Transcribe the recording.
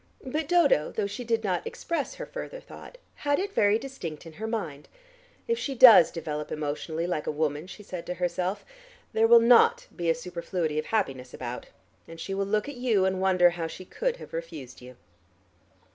But Dodo, though she did not express her further thought, had it very distinct in her mind. "If she does develop emotionally like a woman," she said to herself, "there will not be a superfluity of happiness about. And she will look at you and wonder how she could have refused you."